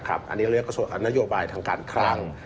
อันนี้เรียกว่าส่วนนโยบายทางการคลัง